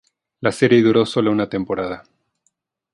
La serie duró sólo una temporada.